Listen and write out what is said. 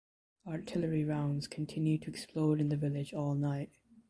Artillery rounds continued to explode in the village all night.